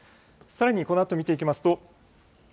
さらにこのあと見ていきますと。